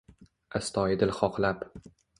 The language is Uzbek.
astoyidil xohlab